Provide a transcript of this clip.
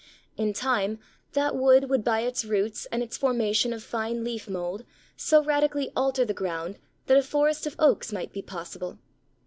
In time that wood would by its roots and its formation of fine leaf mould so radically alter the ground that a forest of Oaks might be possible.